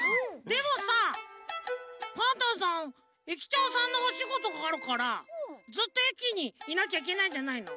でもさパンタンさん駅長さんのおしごとがあるからずっと駅にいなきゃいけないんじゃないの？